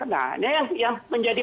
nah yang menjadi